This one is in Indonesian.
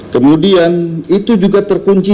kemudian itu juga terkunci